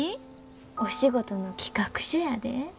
お仕事の企画書やで。